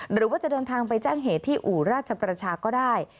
หรือว่าจะเดินทางไปแจ้งเหตุที่อู่ราชประชาก็ได้